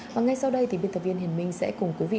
và ngay sau đây thì biên tập viên hiền minh sẽ cùng quý vị